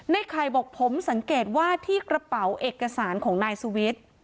ไข่บอกผมสังเกตว่าที่กระเป๋าเอกสารของนายสุวิทย์